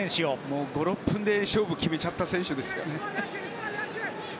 もう５６分で勝負を決めた選手ですよ。